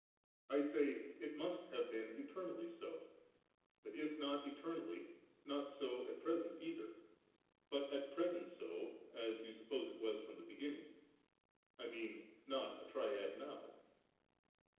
I say, it must have been eternally so; but if not eternally, not so at present either, but at present so, as you suppose it was from the beginning,— I mean, not a Triad now.